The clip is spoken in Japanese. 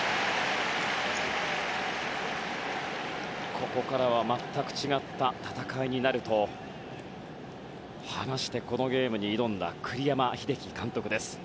ここからは全く違った戦いになると話して、このゲームに挑んだ栗山英樹監督です。